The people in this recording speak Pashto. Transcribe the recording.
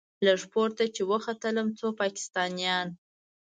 لږ پورته چې وختلم څو پاکستانيان.